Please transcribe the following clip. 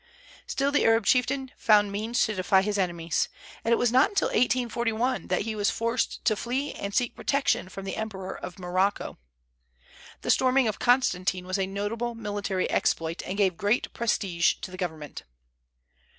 Still, the Arab chieftain found means to defy his enemies; and it was not till 1841 that he was forced to flee and seek protection from the Emperor of Morocco. The storming of Constantine was a notable military exploit, and gave great prestige to the government.